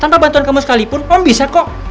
tanpa bantuan kamu sekalipun om bisa kok